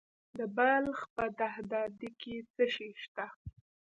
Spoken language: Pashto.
د بلخ په دهدادي کې څه شی شته؟